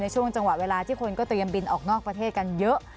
ช่วงจังหวะเวลาที่คนก็เตรียมบินออกนอกประเทศกันเยอะ